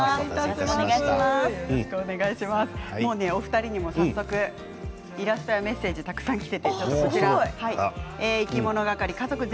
お二人にも早速、イラストやメッセージがたくさん届いています。